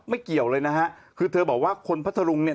เกี่ยวเลยนะฮะคือเธอบอกว่าคนพัทธรุงเนี่ย